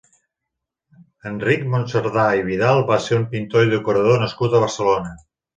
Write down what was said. Enric Monserdà i Vidal va ser un pintor i decorador nascut a Barcelona.